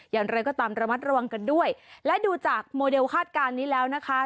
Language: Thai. อย่างไรก็ตามระมัดระวังกันด้วยและดูจากโมเดลคาดการณ์นี้แล้วนะคะ